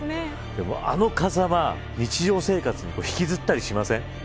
あの風間、日常生活に引きずったりしませんか。